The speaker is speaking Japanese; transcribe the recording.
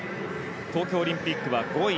東京オリンピックは５位。